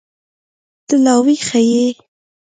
ته لا ويښه يې.